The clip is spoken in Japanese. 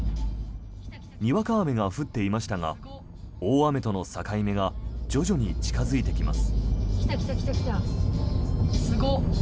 にわか雨が降っていましたが大雨との境目が徐々に近付いてきます。